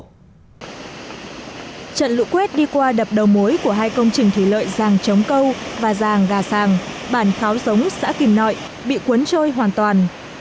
trận lũ quét đi qua đập đầu mối của hai công trình thủy lợi ràng trống câu và ràng gà sàng bản kháo giống xã kìm nội bị cuốn trôi hoàn toàn